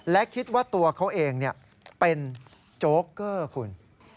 และคิดว่าตัวเขาเองเป็นโจ๊กเกอร์คุณ